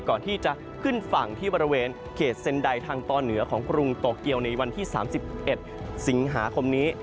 ก่อนที่จะขึ้นฝั่งที่บริเวณเขตเซ็นไดทางตอนเหนือของกรุงโตเกียวในวันที่๓๑สิงหาคมนี้